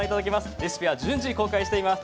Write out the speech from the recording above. レシピは順次公開しています。